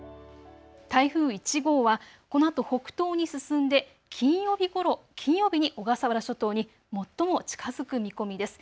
台風１号はこのあと北東に進んで金曜日に小笠原諸島に最も近づく見込みです。